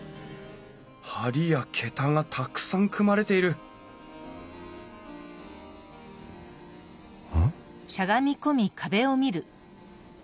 梁や桁がたくさん組まれているうん？